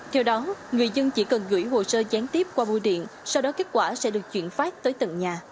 theo đó người dân chỉ cần gửi hồ sơ gián tiếp qua bu điện sau đó kết quả sẽ được chuyển phát tới tận nhà